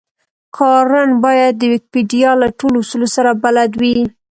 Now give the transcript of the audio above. کارن بايد د ويکيپېډيا له ټولو اصولو سره بلد وي.